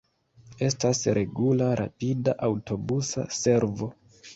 Estas regula rapida aŭtobusa servo.